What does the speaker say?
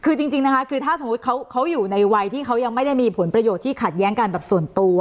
คือจริงนะคะคือถ้าสมมุติเขาอยู่ในวัยที่เขายังไม่ได้มีผลประโยชน์ที่ขัดแย้งกันแบบส่วนตัว